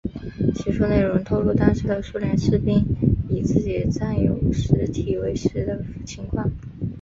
其书内容透露当时的苏联士兵以自己战友尸体为食的情况。